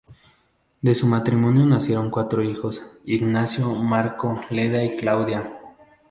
De su matrimonio nacieron cuatro hijos: Ignacio, Marco, Leda y Claudia.